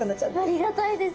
ありがたいです